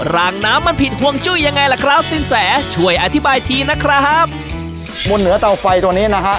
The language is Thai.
รางน้ำมันผิดห่วงจุ้ยยังไงล่ะครับสินแสช่วยอธิบายทีนะครับบนเหนือเตาไฟตัวนี้นะฮะ